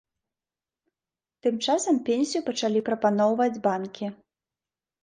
Тым часам пенсію пачалі прапаноўваюць банкі.